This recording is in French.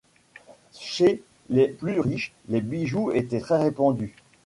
Chez les plus riches, les bijoux, étaient très répandus.